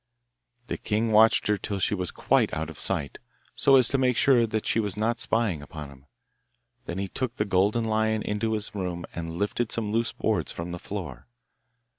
The king watched her till she was quite out of sight, so as to make sure that she was not spying upon him; then he took the golden lion into his room and lifted some loose boards from the floor.